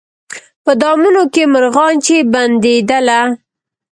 په دامونو کي مرغان چي بندېدله